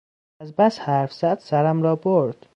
از بس حرف زد سرم را برد!